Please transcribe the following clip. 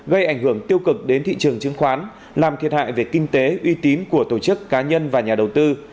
gây ảnh hưởng tiêu cực đến thị trường chứng khoán làm thiệt hại về kinh tế uy tín của tổ chức cá nhân và nhà đầu tư